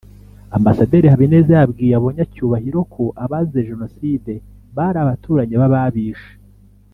Ambasaderi Habineza yabwiye abo banyacyubahiro ko abazize Jenoside bari abaturanyi b’ababishe